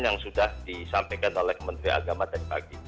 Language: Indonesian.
yang sudah disampaikan oleh menteri agama tadi pagi